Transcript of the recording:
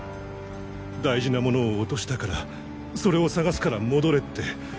大事なものを落としたからそれを探すから戻れって。